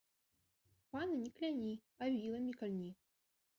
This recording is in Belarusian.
Пана не кляні, а віламі кальні